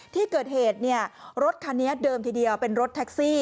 ที่เกิดเหตุรถคันนี้เดิมทีเดียวเป็นรถแท็กซี่